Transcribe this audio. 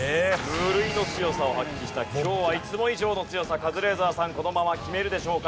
無類の強さを発揮した今日はいつも以上の強さカズレーザーさんこのまま決めるでしょうか？